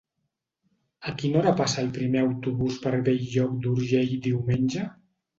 A quina hora passa el primer autobús per Bell-lloc d'Urgell diumenge?